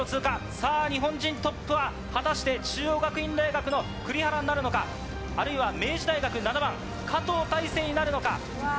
さあ、日本人トップは、果たして中央学院大学の栗原になるのか、あるいは明治大学７番、かとうたいせいになるのか。